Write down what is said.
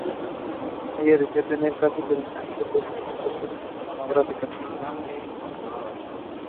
De ella tenía casi terminados dos partes monográficas.